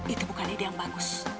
itu bukan ide yang bagus